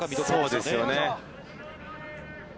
そうですよね。